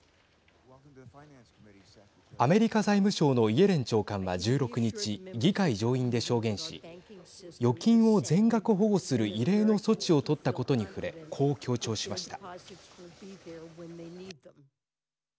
アメリカ財務省のイエレン長官は１６日議会上院で証言し預金を全額保護する異例の措置を取ったことに触れこう強調しました。